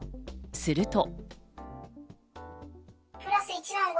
すると。